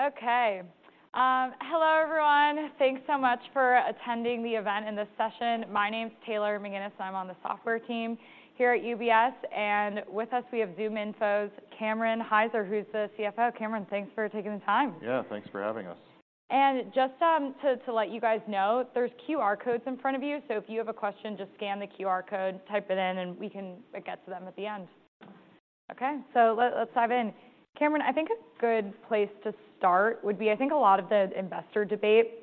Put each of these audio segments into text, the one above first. Okay. Hello, everyone. Thanks so much for attending the event and this session. My name's Taylor McGinnis, and I'm on the software team here at UBS. With us, we have ZoomInfo's Cameron Hyzer, who's the CFO. Cameron, thanks for taking the time. Yeah, thanks for having us. Just to let you guys know, there's QR codes in front of you, so if you have a question, just scan the QR code, type it in, and we can get to them at the end. Okay, so let's dive in. Cameron, I think a good place to start would be. I think a lot of the investor debate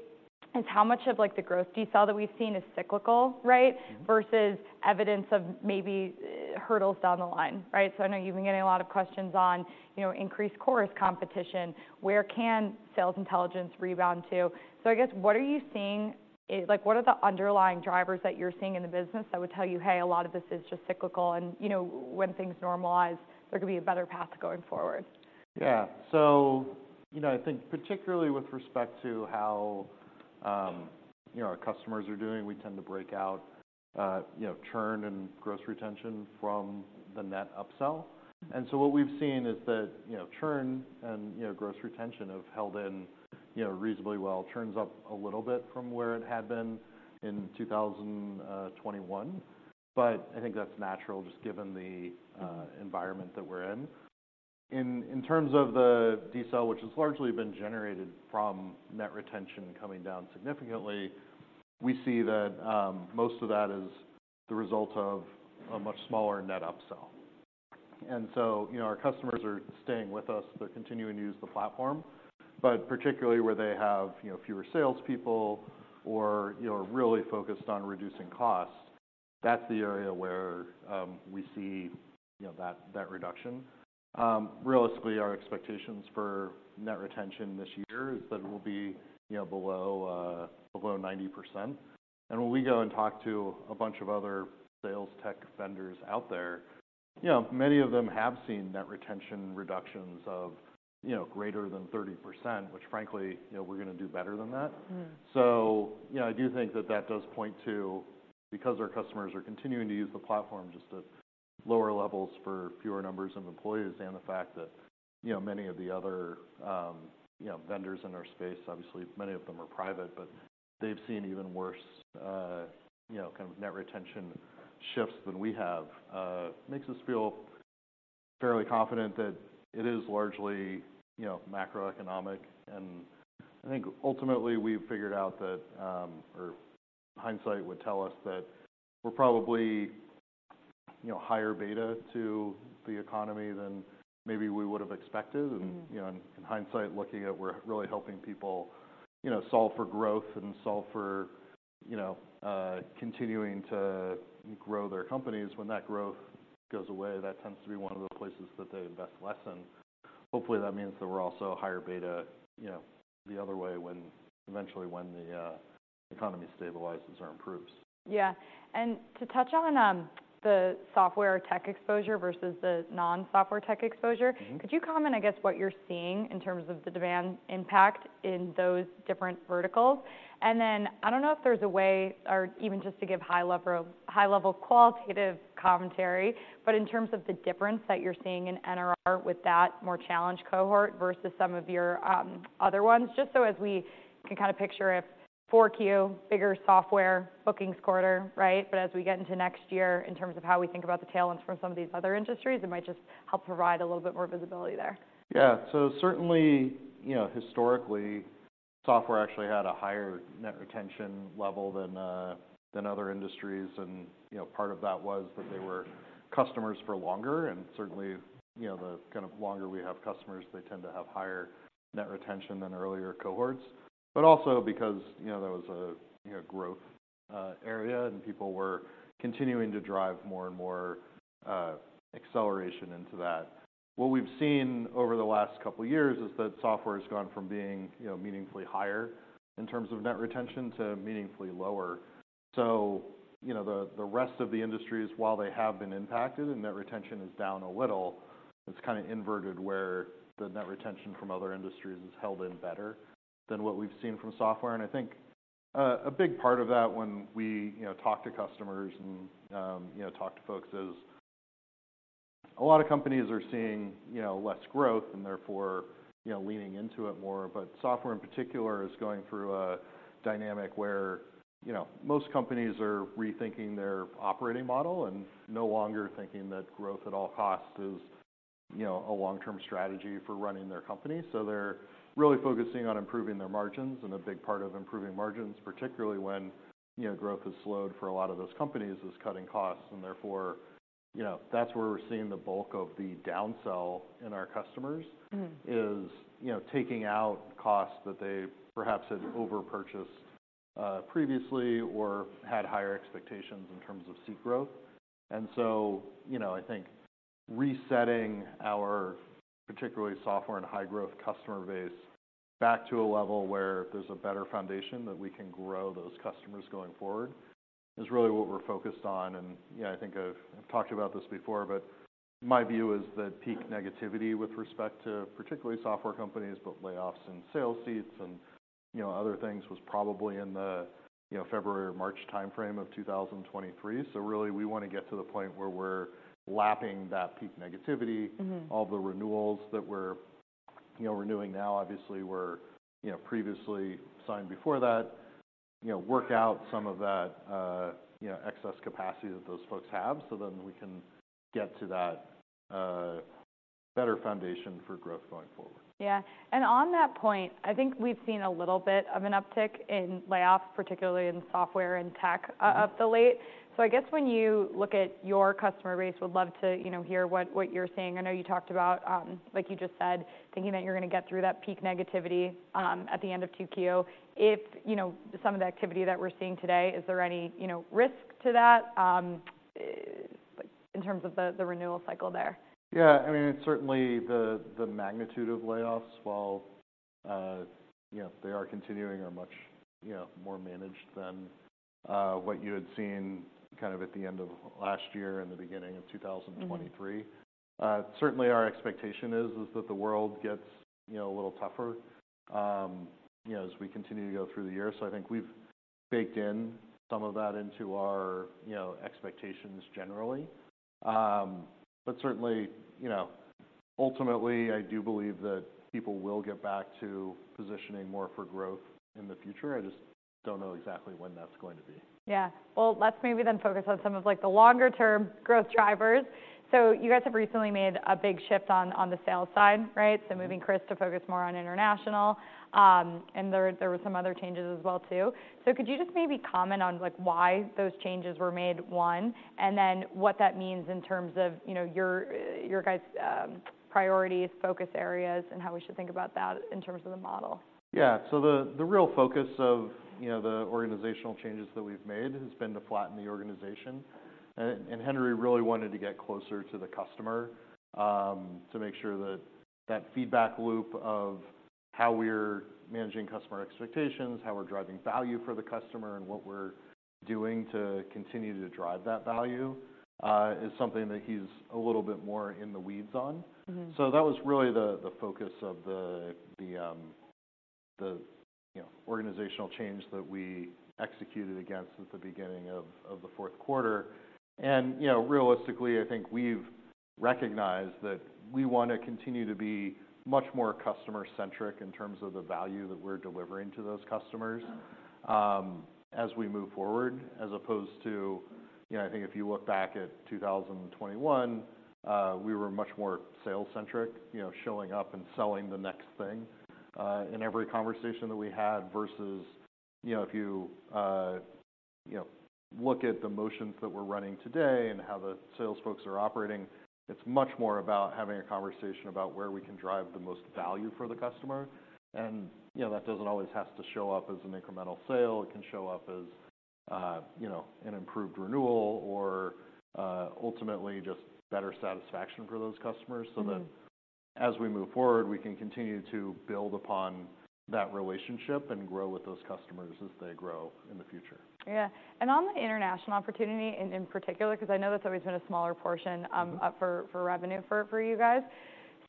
is how much of, like, the growth decel that we've seen is cyclical, right? Mm-hmm. -versus evidence of maybe hurdles down the line, right? So I know you've been getting a lot of questions on, you know, increased core competition. Where can sales intelligence rebound to? So I guess, what are you seeing... Like, what are the underlying drivers that you're seeing in the business that would tell you, "Hey, a lot of this is just cyclical, and, you know, when things normalize, there could be a better path going forward? Yeah. So, you know, I think particularly with respect to how, you know, our customers are doing, we tend to break out, you know, churn and gross retention from the net upsell. And so what we've seen is that, you know, churn and, you know, gross retention have held in, you know, reasonably well. Churn's up a little bit from where it had been in 2021, but I think that's natural, just given the environment that we're in. In terms of the decel, which has largely been generated from net retention coming down significantly, we see that, most of that is the result of a much smaller net upsell. And so, you know, our customers are staying with us. They're continuing to use the platform, but particularly where they have, you know, fewer salespeople or, you know, are really focused on reducing costs, that's the area where, we see, you know, that, that reduction. Realistically, our expectations for net retention this year is that it will be, you know, below, below 90%. And when we go and talk to a bunch of other sales tech vendors out there, you know, many of them have seen net retention reductions of, you know, greater than 30%, which frankly, you know, we're gonna do better than that. Mm. So, you know, I do think that that does point to because our customers are continuing to use the platform, just at lower levels for fewer numbers of employees, and the fact that, you know, many of the other, you know, vendors in our space, obviously many of them are private, but they've seen even worse, you know, kind of net retention shifts than we have, makes us feel fairly confident that it is largely, you know, macroeconomic. And I think ultimately we've figured out that, or hindsight would tell us that we're probably, you know, higher beta to the economy than maybe we would have expected. Mm-hmm. You know, in hindsight, looking at we're really helping people, you know, solve for growth and solve for, you know, continuing to grow their companies. When that growth goes away, that tends to be one of the places that they invest less in. Hopefully, that means that we're also a higher beta, you know, the other way when eventually when the economy stabilizes or improves. Yeah. And to touch on, the software tech exposure versus the non-software tech exposure- Mm-hmm. Could you comment, I guess, what you're seeing in terms of the demand impact in those different verticals? And then, I don't know if there's a way or even just to give high-level, high-level qualitative commentary, but in terms of the difference that you're seeing in NRR with that more challenged cohort versus some of your other ones, just so as we can kind of picture a 4Q, bigger software bookings quarter, right? But as we get into next year, in terms of how we think about the tailwinds from some of these other industries, it might just help provide a little bit more visibility there. Yeah. So certainly, you know, historically, software actually had a higher net retention level than than other industries. And, you know, part of that was that they were customers for longer, and certainly, you know, the kind of longer we have customers, they tend to have higher net retention than earlier cohorts. But also because, you know, that was a, you know, growth area, and people were continuing to drive more and more acceleration into that. What we've seen over the last couple of years is that software has gone from being, you know, meaningfully higher in terms of net retention to meaningfully lower. So, you know, the rest of the industries, while they have been impacted and net retention is down a little, it's kinda inverted, where the net retention from other industries is held in better than what we've seen from software. And I think, a big part of that when we, you know, talk to customers and, you know, talk to folks is a lot of companies are seeing, you know, less growth and therefore, you know, leaning into it more. But software, in particular, is going through a dynamic where, you know, most companies are rethinking their operating model and no longer thinking that growth at all costs is, you know, a long-term strategy for running their company. So they're really focusing on improving their margins, and a big part of improving margins, particularly when, you know, growth has slowed for a lot of those companies, is cutting costs, and therefore, you know, that's where we're seeing the bulk of the downsell in our customers- Mm-hmm... is, you know, taking out costs that they perhaps had over-purchased previously or had higher expectations in terms of seat growth. And so, you know, I think resetting our, particularly software and high-growth customer base, back to a level where there's a better foundation that we can grow those customers going forward is really what we're focused on. And, you know, I think I've talked about this before, but my view is that peak negativity with respect to particularly software companies, both layoffs and sales seats and, you know, other things was probably in the, you know, February or March timeframe of 2023. So really, we wanna get to the point where we're lapping that peak negativity. Mm-hmm. All the renewals that we're, you know, renewing now, obviously, were, you know, previously signed before that. You know, work out some of that, you know, excess capacity that those folks have, so then we can get to that, better foundation for growth going forward. Yeah. And on that point, I think we've seen a little bit of an uptick in layoffs, particularly in software and tech, of late. Mm-hmm. I guess when you look at your customer base, would love to, you know, hear what you're seeing. I know you talked about, like you just said, thinking that you're gonna get through that peak negativity at the end of 2Q. If some of the activity that we're seeing today, is there any, you know, risk to that in terms of the renewal cycle there? Yeah. I mean, certainly, the magnitude of layoffs, while you know, they are continuing, are much, you know, more managed than what you had seen kind of at the end of last year and the beginning of 2023. Mm-hmm. Certainly, our expectation is that the world gets, you know, a little tougher, you know, as we continue to go through the year. So I think we've baked in some of that into our, you know, expectations generally. But certainly, you know, ultimately, I do believe that people will get back to positioning more for growth in the future. I just don't know exactly when that's going to be. Yeah. Well, let's maybe then focus on some of, like, the longer term growth drivers. So you guys have recently made a big shift on, on the sales side, right? Mm-hmm. So moving Chris to focus more on international, and there were some other changes as well, too. So could you just maybe comment on, like, why those changes were made, one, and then what that means in terms of, you know, your guys', priorities, focus areas, and how we should think about that in terms of the model? Yeah. So the real focus of, you know, the organizational changes that we've made has been to flatten the organization. And Henry really wanted to get closer to the customer, to make sure that that feedback loop of how we're managing customer expectations, how we're driving value for the customer, and what we're doing to continue to drive that value, is something that he's a little bit more in the weeds on. Mm-hmm. So that was really the focus of the organizational change that we executed against at the beginning of the fourth quarter. You know, realistically, I think we've recognized that we wanna continue to be much more customer-centric in terms of the value that we're delivering to those customers as we move forward, as opposed to... You know, I think if you look back at 2021, we were much more sales-centric. You know, showing up and selling the next thing in every conversation that we had versus, you know, if you look at the motions that we're running today and how the sales folks are operating, it's much more about having a conversation about where we can drive the most value for the customer. You know, that doesn't always have to show up as an incremental sale. It can show up as, you know, an improved renewal or, ultimately, just better satisfaction for those customers. Mm-hmm... so that as we move forward, we can continue to build upon that relationship and grow with those customers as they grow in the future. Yeah. And on the international opportunity, and in particular, 'cause I know that's always been a smaller portion- Mm-hmm... up for revenue for you guys.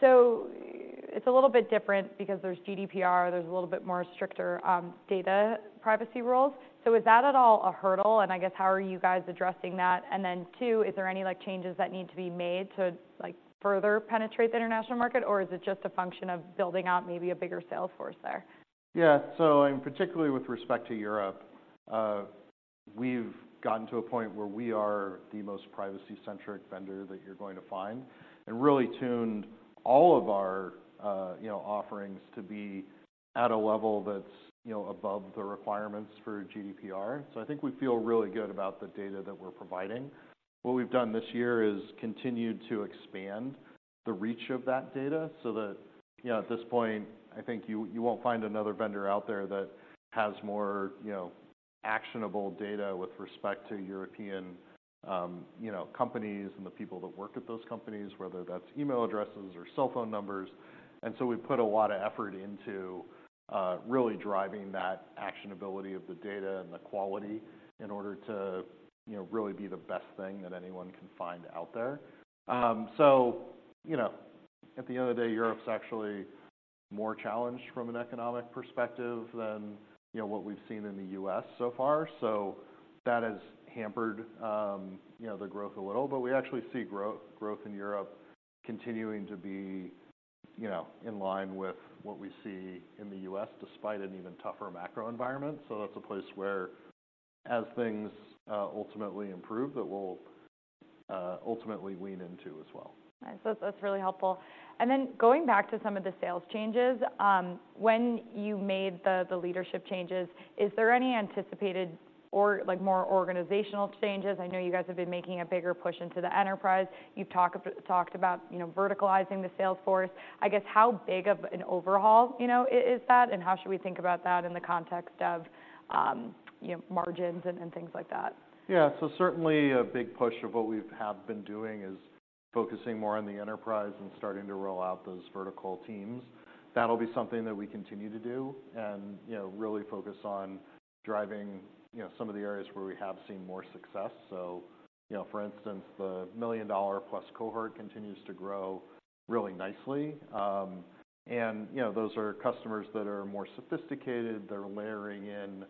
So it's a little bit different because there's GDPR, there's a little bit more stricter data privacy rules. So is that at all a hurdle? And I guess, how are you guys addressing that? And then two, is there any, like, changes that need to be made to, like, further penetrate the international market, or is it just a function of building out maybe a bigger sales force there? Yeah. So, particularly with respect to Europe, we've gotten to a point where we are the most privacy-centric vendor that you're going to find, and really tuned all of our, you know, offerings to be at a level that's, you know, above the requirements for GDPR. So I think we feel really good about the data that we're providing. What we've done this year is continued to expand the reach of that data so that, you know, at this point, I think you, you won't find another vendor out there that has more, you know, actionable data with respect to European, you know, companies and the people that work at those companies, whether that's email addresses or cell phone numbers. So we've put a lot of effort into really driving that actionability of the data and the quality in order to, you know, really be the best thing that anyone can find out there. So, you know, at the end of the day, Europe's actually more challenged from an economic perspective than, you know, what we've seen in the U.S. so far. So that has hampered, you know, the growth a little, but we actually see growth in Europe continuing to be, you know, in line with what we see in the U.S., despite an even tougher macro environment. So that's a place where, as things ultimately improve, that we'll ultimately lean into as well. All right. So that's really helpful. And then going back to some of the sales changes, when you made the leadership changes, is there any anticipated or, like, more organizational changes? I know you guys have been making a bigger push into the enterprise. You've talked about, you know, verticalizing the sales force. I guess, how big of an overhaul, you know, is that, and how should we think about that in the context of, you know, margins and things like that? Yeah. So certainly, a big push of what we have been doing is focusing more on the enterprise and starting to roll out those vertical teams. That'll be something that we continue to do and, you know, really focus on driving, you know, some of the areas where we have seen more success. So, you know, for instance, the $1 million-plus cohort continues to grow really nicely. And, you know, those are customers that are more sophisticated. They're layering in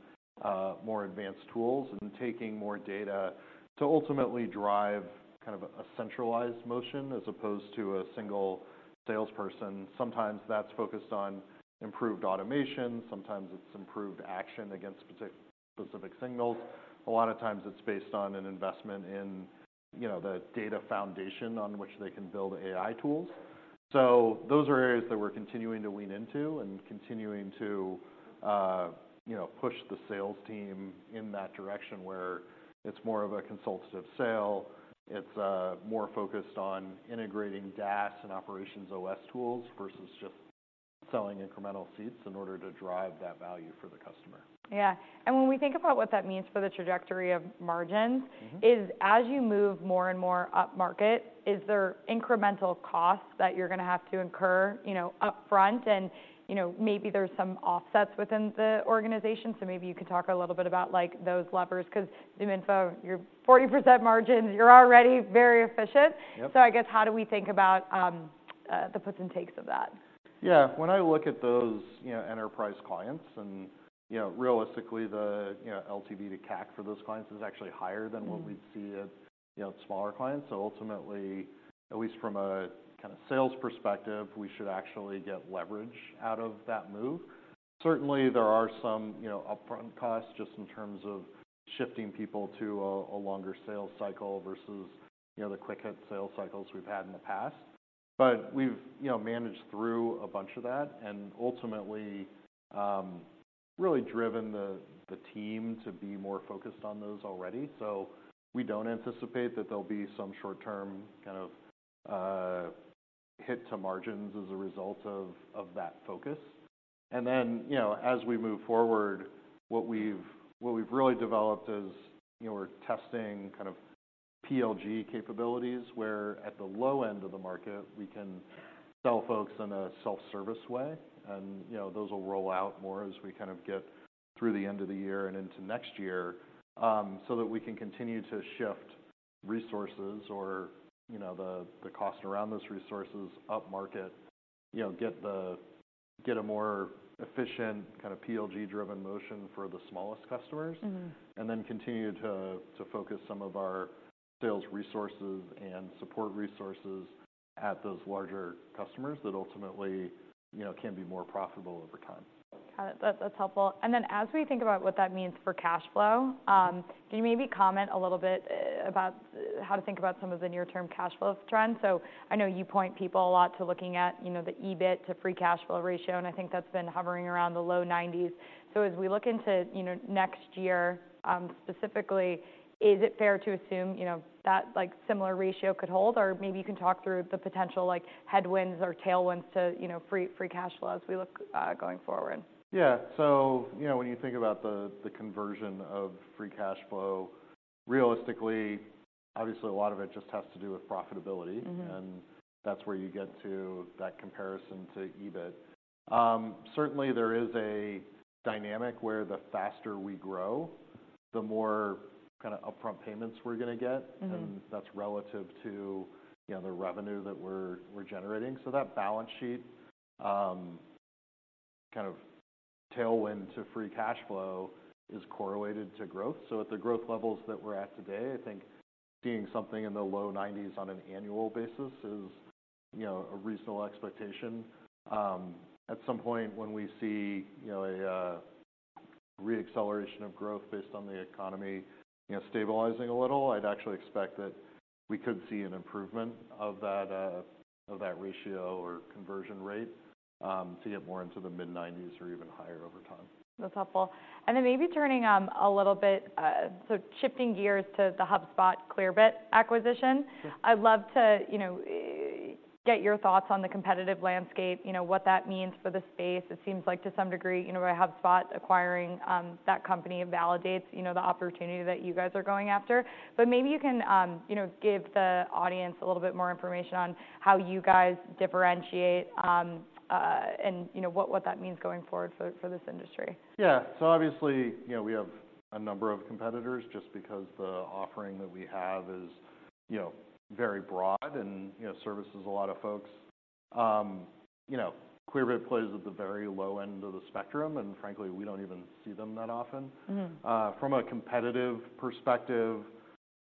more advanced tools and taking more data to ultimately drive kind of a centralized motion as opposed to a single salesperson. Sometimes that's focused on improved automation, sometimes it's improved action against specific signals. A lot of times it's based on an investment in, you know, the data foundation on which they can build AI tools. So those are areas that we're continuing to lean into and continuing to, you know, push the sales team in that direction, where it's more of a consultative sale. It's more focused on integrating DaaS and OperationsOS tools, versus just selling incremental seats in order to drive that value for the customer. Yeah. And when we think about what that means for the trajectory of margins- Mm-hmm. Is as you move more and more upmarket, is there incremental costs that you're gonna have to incur, you know, upfront? And, you know, maybe there's some offsets within the organization. So maybe you could talk a little bit about, like, those levers, 'cause ZoomInfo, your 40% margins, you're already very efficient. Yep. So, I guess, how do we think about the puts and takes of that? Yeah. When I look at those, you know, enterprise clients and, you know, realistically, the, you know, LTV to CAC for those clients is actually higher than- Mm-hmm... what we'd see at, you know, smaller clients. So ultimately, at least from a kinda sales perspective, we should actually get leverage out of that move. Certainly, there are some, you know, upfront costs just in terms of shifting people to a longer sales cycle versus, you know, the quick-hit sales cycles we've had in the past. But we've, you know, managed through a bunch of that, and ultimately, really driven the team to be more focused on those already. So we don't anticipate that there'll be some short-term kind of hit to margins as a result of that focus. And then, you know, as we move forward, what we've really developed is, you know, we're testing kind of PLG capabilities, where at the low end of the market, we can sell folks in a self-service way. You know, those will roll out more as we kind of get through the end of the year and into next year, so that we can continue to shift resources or, you know, the cost around those resources upmarket, you know, get a more efficient kind of PLG-driven motion for the smallest customers. Mm-hmm. And then continue to focus some of our sales resources and support resources at those larger customers that ultimately, you know, can be more profitable over time. Got it. That's helpful. And then, as we think about what that means for cash flow- Mm-hmm... Can you maybe comment a little bit about how to think about some of the near-term cash flow trends? So I know you point people a lot to looking at, you know, the EBIT to free cash flow ratio, and I think that's been hovering around the low 90s. So as we look into, you know, next year, specifically, is it fair to assume, you know, that, like, similar ratio could hold? Or maybe you can talk through the potential, like, headwinds or tailwinds to, you know, free, free cash flow as we look going forward. Yeah. So, you know, when you think about the conversion of free cash flow, realistically, obviously, a lot of it just has to do with profitability. Mm-hmm. That's where you get to that comparison to EBIT. Certainly, there is a dynamic where the faster we grow, the more kinda upfront payments we're gonna get. Mm-hmm. That's relative to, you know, the revenue that we're generating. So that balance sheet, kind of tailwind to free cash flow is correlated to growth. So at the growth levels that we're at today, I think seeing something in the low 90s% on an annual basis is, you know, a reasonable expectation. At some point, when we see, you know, a re-acceleration of growth based on the economy, you know, stabilizing a little, I'd actually expect that we could see an improvement of that ratio or conversion rate to get more into the mid-90s% or even higher over time. That's helpful. And then maybe turning a little bit. So shifting gears to the HubSpot Clearbit acquisition. Sure. I'd love to, you know, get your thoughts on the competitive landscape, you know, what that means for the space. It seems like, to some degree, you know, HubSpot acquiring that company validates, you know, the opportunity that you guys are going after. But maybe you can, you know, give the audience a little bit more information on how you guys differentiate, and you know, what that means going forward for this industry. Yeah. So obviously, you know, we have a number of competitors just because the offering that we have is, you know, very broad and, you know, services a lot of folks. You know, Clearbit plays at the very low end of the spectrum, and frankly, we don't even see them that often. Mm-hmm. From a competitive perspective,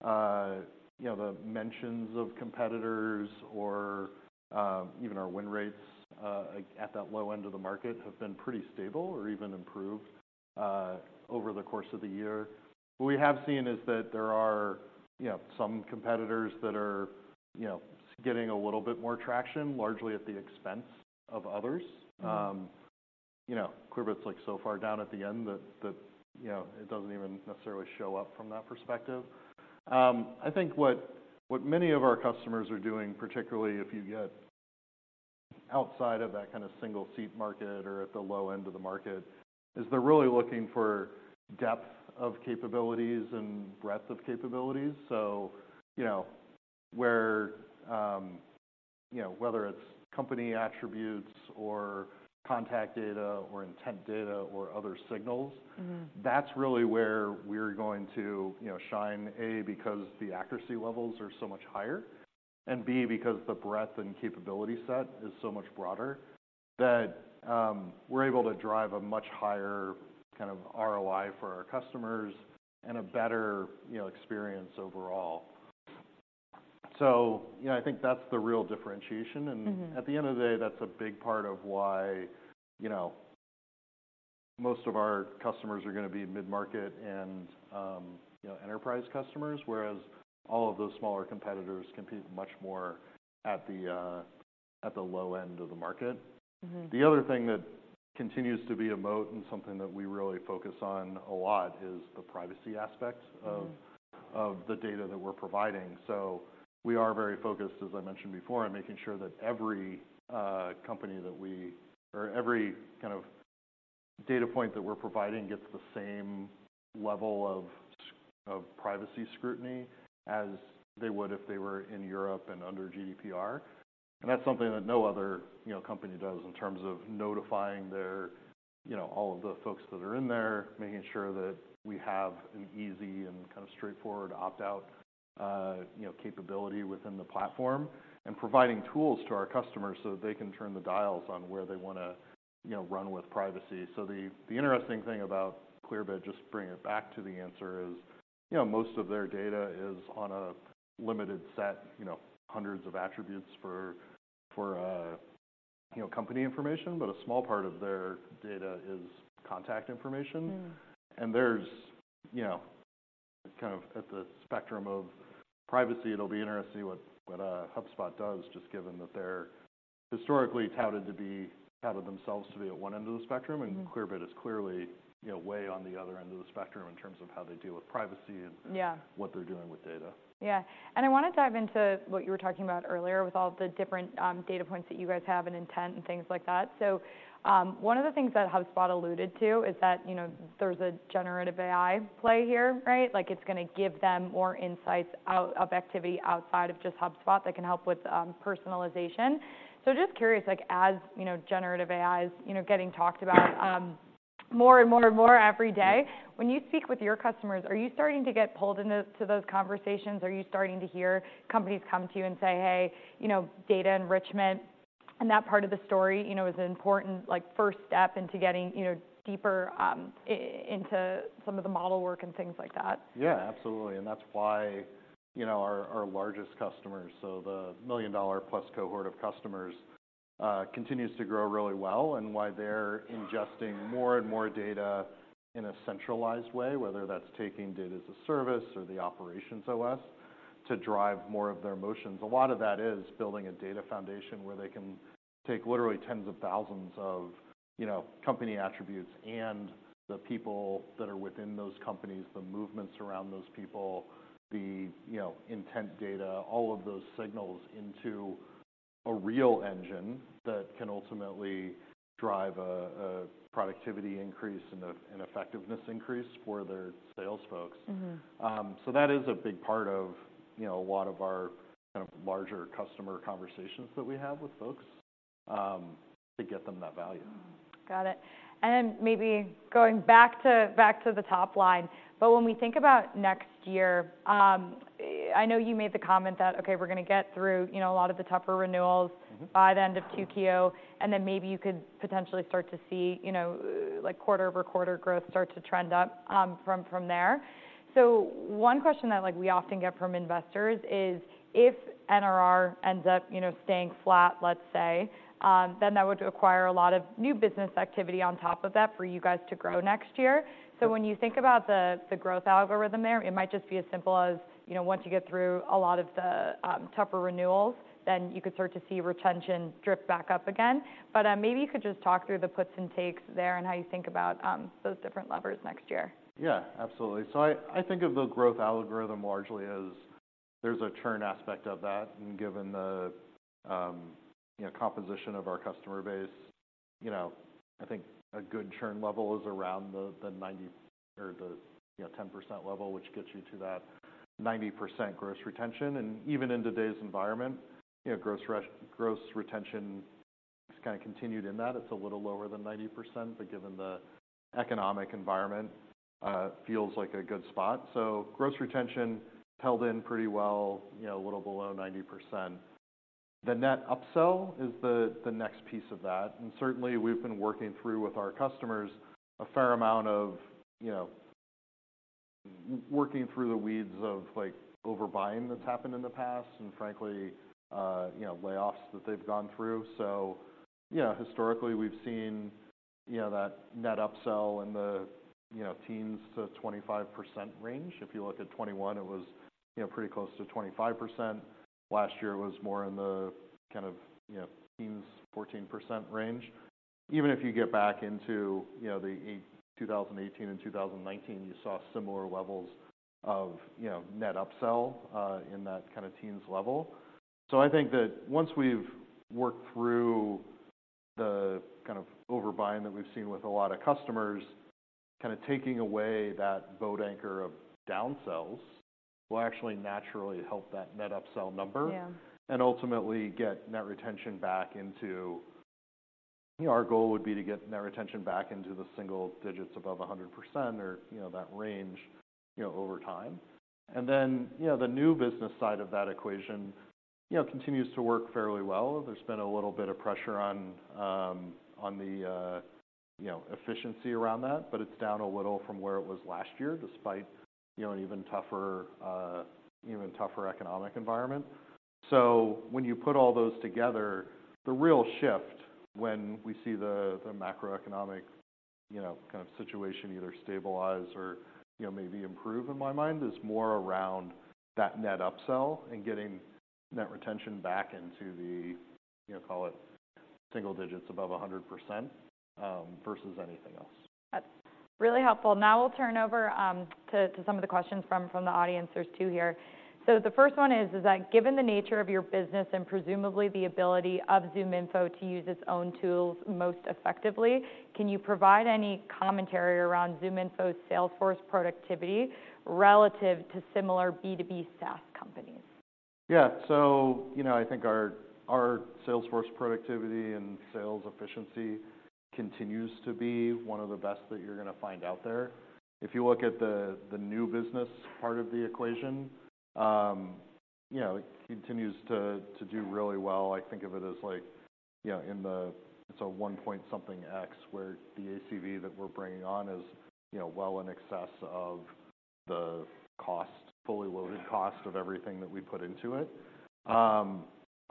you know, the mentions of competitors or even our win rates at that low end of the market have been pretty stable or even improved over the course of the year. What we have seen is that there are, you know, some competitors that are, you know, getting a little bit more traction, largely at the expense of others. Mm-hmm. You know, Clearbit's like so far down at the end that, you know, it doesn't even necessarily show up from that perspective. I think what many of our customers are doing, particularly if you get outside of that kind of single-seat market or at the low end of the market, is they're really looking for depth of capabilities and breadth of capabilities. So, you know, where, you know, whether it's company attributes or contact data or intent data or other signals- Mm-hmm... that's really where we're going to, you know, shine, A, because the accuracy levels are so much higher, and B, because the breadth and capability set is so much broader, that we're able to drive a much higher kind of ROI for our customers and a better, you know, experience overall. So, you know, I think that's the real differentiation. Mm-hmm. At the end of the day, that's a big part of why, you know, most of our customers are gonna be mid-market and, you know, enterprise customers, whereas all of those smaller competitors compete much more at the, at the low end of the market. Mm-hmm. The other thing that continues to be a moat and something that we really focus on a lot is the privacy aspect- Mm. Of the data that we're providing. So we are very focused, as I mentioned before, on making sure that every company that we or every kind of data point that we're providing, gets the same level of privacy scrutiny as they would if they were in Europe and under GDPR. And that's something that no other, you know, company does in terms of notifying their, you know, all of the folks that are in there. Making sure that we have an easy and kind of straightforward opt-out, you know, capability within the platform, and providing tools to our customers, so that they can turn the dials on where they wanna, you know, run with privacy. So the interesting thing about Clearbit, just to bring it back to the answer, is, you know, most of their data is on a limited set, you know, hundreds of attributes for, you know, company information, but a small part of their data is contact information. Mm. There's, you know, kind of at the spectrum of privacy. It'll be interesting what HubSpot does, just given that they're historically touted themselves to be at one end of the spectrum- Mm-hmm. And Clearbit is clearly, you know, way on the other end of the spectrum in terms of how they deal with privacy and. Yeah... what they're doing with data. Yeah. I wanna dive into what you were talking about earlier, with all the different data points that you guys have, and intent, and things like that. One of the things that HubSpot alluded to is that, you know, there's a generative AI play here, right? Like, it's gonna give them more insights out of activity outside of just HubSpot that can help with personalization. Just curious, like, as you know, generative AI is you know, getting talked about more and more and more every day, when you speak with your customers, are you starting to get pulled into those conversations? Are you starting to hear companies come to you and say, "Hey, you know, data enrichment and that part of the story, you know, is an important, like, first step into getting, you know, deeper, into some of the model work and things like that? Yeah, absolutely. That's why, you know, our largest customers, so the $1 million-plus cohort of customers, continues to grow really well, and why they're ingesting more and more data in a centralized way, whether that's taking Data as a Service or the OperationsOS to drive more of their motions. A lot of that is building a data foundation where they can take literally tens of thousands of, you know, company attributes and the people that are within those companies, the movements around those people, you know, intent data, all of those signals into a real engine that can ultimately drive a productivity increase and an effectiveness increase for their sales folks. Mm-hmm. That is a big part of, you know, a lot of our kind of larger customer conversations that we have with folks, to get them that value. Got it. And then maybe going back to, back to the top line, but when we think about next year, I know you made the comment that, "Okay, we're gonna get through, you know, a lot of the tougher renewals- Mm-hmm -by the end of 2Q, and then maybe you could potentially start to see, you know, like, quarter-over-quarter growth start to trend up, from, from there." So one question that, like, we often get from investors is: If NRR ends up, you know, staying flat, let's say, then that would require a lot of new business activity on top of that for you guys to grow next year. Yeah. So when you think about the growth algorithm there, it might just be as simple as, you know, once you get through a lot of the tougher renewals, then you could start to see retention drift back up again. But, maybe you could just talk through the puts and takes there, and how you think about those different levers next year. Yeah, absolutely. So I think of the growth algorithm largely as there's a churn aspect of that, and given the, you know, composition of our customer base, you know, I think a good churn level is around the ninety or the, you know, 10% level, which gets you to that 90% gross retention. And even in today's environment, you know, gross retention has kind of continued in that. It's a little lower than 90%, but given the economic environment, feels like a good spot. So gross retention held in pretty well, you know, a little below 90%. The net upsell is the next piece of that, and certainly we've been working through with our customers a fair amount of, you know, working through the weeds of, like, overbuying that's happened in the past, and frankly, you know, layoffs that they've gone through. So yeah, historically, we've seen, you know, that net upsell in the, you know, teens to 25% range. If you look at 2021, it was, you know, pretty close to 25%. Last year, it was more in the kind of, you know, teens, 14% range. Even if you get back into, you know, 2018 and 2019, you saw similar levels of, you know, net upsell in that kind of teens level. So I think that once we've worked through the kind of overbuying that we've seen with a lot of customers, kind of taking away that boat anchor of downsells will actually naturally help that net upsell number- Yeah... and ultimately get Net Retention back into, you know, our goal would be to get Net Retention back into the single digits above 100% or, you know, that range. You know, over time. And then, you know, the new business side of that equation, you know, continues to work fairly well. There's been a little bit of pressure on, you know, efficiency around that, but it's down a little from where it was last year, despite, you know, an even tougher economic environment. So when you put all those together, the real shift when we see the macroeconomic, you know, kind of situation either stabilize or, you know, maybe improve, in my mind, is more around that net upsell and getting net retention back into the, you know, call it single digits above 100%, versus anything else. That's really helpful. Now we'll turn over to some of the questions from the audience. There's two here. So the first one is that: given the nature of your business and presumably the ability of ZoomInfo to use its own tools most effectively, can you provide any commentary around ZoomInfo's sales force productivity relative to similar B2B SaaS companies? Yeah. So, you know, I think our sales force productivity and sales efficiency continues to be one of the best that you're gonna find out there. If you look at the new business part of the equation, you know, it continues to do really well. I think of it as like, you know, in the—it's a 1.something x, where the ACV that we're bringing on is, you know, well in excess of the cost, fully loaded cost of everything that we put into it.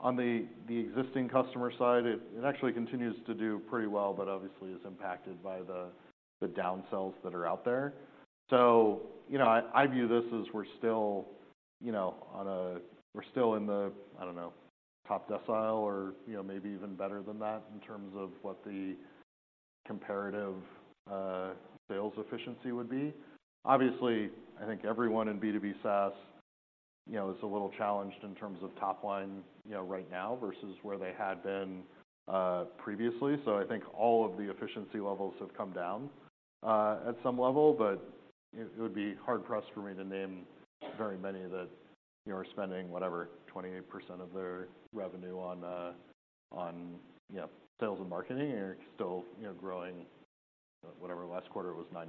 On the existing customer side, it actually continues to do pretty well, but obviously is impacted by the downsells that are out there. So, you know, I view this as we're still, you know, on a... We're still in the, I don't know, top decile or, you know, maybe even better than that in terms of what the comparative sales efficiency would be. Obviously, I think everyone in B2B SaaS, you know, is a little challenged in terms of top line, you know, right now versus where they had been previously. So I think all of the efficiency levels have come down at some level, but it, it would be hard-pressed for me to name very many that, you know, are spending, whatever, 28% of their revenue on, on, you know, sales and marketing and are still, you know, growing. Whatever, last quarter it was 9%.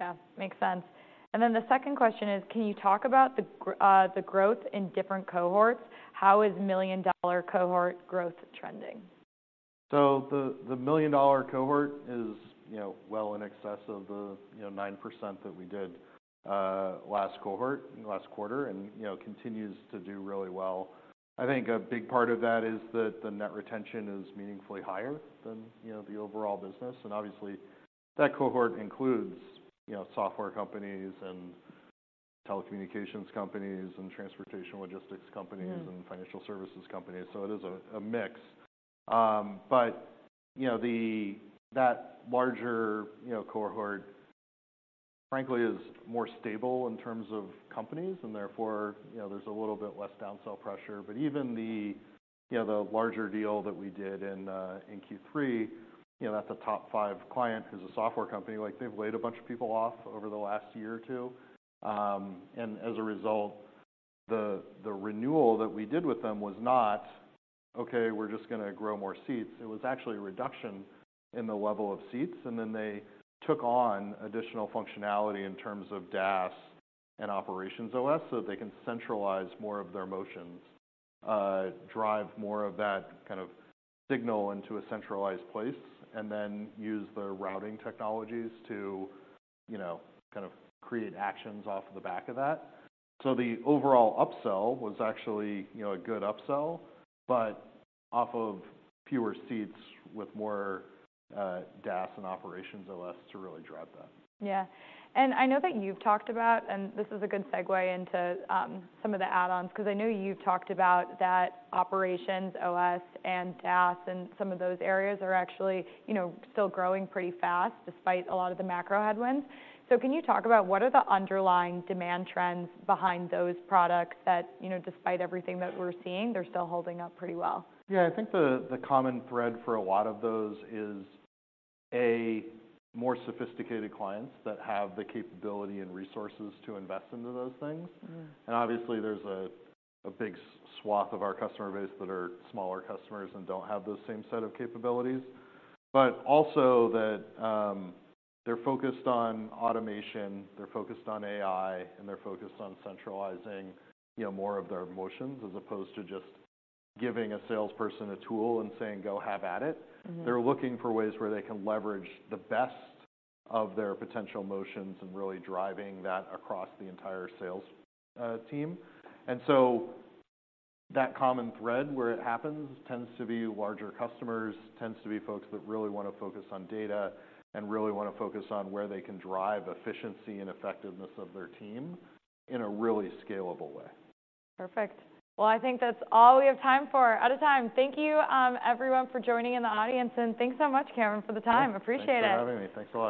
Yeah, makes sense. And then the second question is: can you talk about the growth in different cohorts? How is million-dollar cohort growth trending? So the million-dollar cohort is, you know, well in excess of the, you know, 9% that we did last cohort, last quarter, and, you know, continues to do really well. I think a big part of that is that the net retention is meaningfully higher than, you know, the overall business, and obviously, that cohort includes, you know, software companies and telecommunications companies and transportation logistics companies- Mm. and financial services companies, so it is a mix. But, you know, that larger, you know, cohort frankly is more stable in terms of companies, and therefore, you know, there's a little bit less downsell pressure. But even the, you know, the larger deal that we did in Q3, you know, that's a top five client who's a software company. Like, they've laid a bunch of people off over the last year or two, and as a result, the renewal that we did with them was not, "Okay, we're just gonna grow more seats." It was actually a reduction in the level of seats, and then they took on additional functionality in terms of DaaS and Operations OS, so that they can centralize more of their motions, drive more of that kind of signal into a centralized place, and then use their routing technologies to, you know, kind of create actions off the back of that. So the overall upsell was actually, you know, a good upsell, but off of fewer seats with more DaaS and Operations OS to really drive that. Yeah. And I know that you've talked about, and this is a good segue into, some of the add-ons, 'cause I know you've talked about that Operations OS, and DaaS, and some of those areas are actually, you know, still growing pretty fast, despite a lot of the macro headwinds. So can you talk about what are the underlying demand trends behind those products that, you know, despite everything that we're seeing, they're still holding up pretty well? Yeah. I think the common thread for a lot of those is, A, more sophisticated clients that have the capability and resources to invest into those things. Mm. And obviously, there's a big swath of our customer base that are smaller customers and don't have the same set of capabilities. But also that they're focused on automation, they're focused on AI, and they're focused on centralizing, you know, more of their motions, as opposed to just giving a salesperson a tool and saying, "Go have at it. Mm-hmm. They're looking for ways where they can leverage the best of their potential motions and really driving that across the entire sales, team. And so that common thread, where it happens, tends to be larger customers, tends to be folks that really wanna focus on data and really wanna focus on where they can drive efficiency and effectiveness of their team in a really scalable way. Perfect. Well, I think that's all we have time for. Out of time. Thank you, everyone, for joining in the audience, and thanks so much, Cameron, for the time. Yeah. Appreciate it. Thanks for having me. Thanks, everyone.